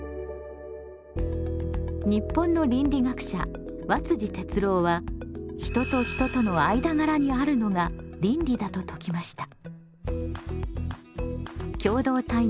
日本の倫理学者和哲郎は人と人との間柄にあるのが倫理だと説きました。